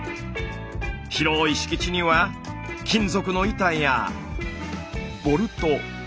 広い敷地には金属の板やボルト。